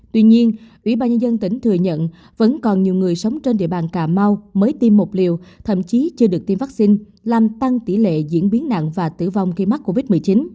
tuy nhiên ủy ban nhân dân tỉnh thừa nhận vẫn còn nhiều người sống trên địa bàn cà mau mới tiêm một liều thậm chí chưa được tiêm vaccine làm tăng tỷ lệ diễn biến nặng và tử vong khi mắc covid một mươi chín